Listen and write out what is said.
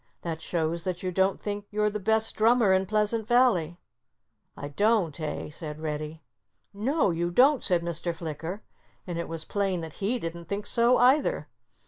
That shows that you don't think you're the best drummer in Pleasant Valley." "I don't, eh?" said Reddy. "No, you don't!" said Mr. Flicker. And it was plain that he didn't think so, either.